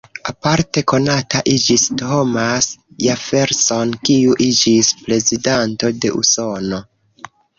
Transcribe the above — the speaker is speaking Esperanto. Aparte konata iĝis Thomas Jefferson, kiu iĝis prezidanto de Usono.